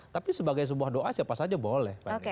tapi sebagai sebuah doa siapa saja boleh